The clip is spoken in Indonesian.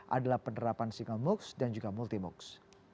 adalah penerapan single moocs dan juga multi mox